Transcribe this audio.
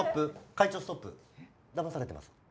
会長ストップ騙されてます。